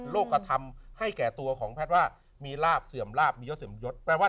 กระทำให้แก่ตัวของแพทย์ว่ามีลาบเสื่อมลาบมียศเสื่อมยศแปลว่า